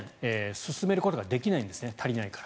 進めることができないんですね足りないから。